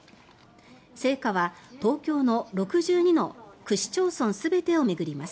聖火は東京の６２の区市町村全てを巡ります。